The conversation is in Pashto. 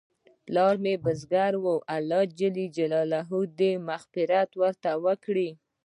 پلار مې بزګر و، الله ج دې مغفرت ورته وکړي